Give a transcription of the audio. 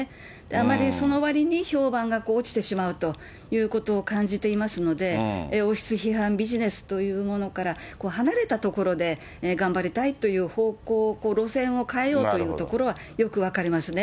あまりその割に評判が落ちてしまうということを感じていますので、王室批判ビジネスというものから離れたところで頑張りたいという方向、路線を変えようというところはよく分かりますね。